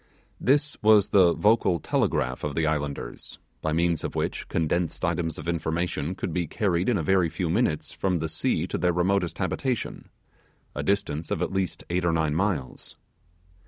This was the vocal telegraph of the islanders; by means of which condensed items of information could be carried in a very few minutes from the sea to their remotest habitation, a distance of at least eight or nine miles.